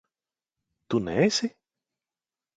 Tu neesi?